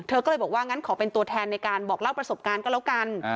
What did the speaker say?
เธอก็เลยบอกว่างั้นขอเป็นตัวแทนในการบอกเล่าประสบการณ์ก็แล้วกัน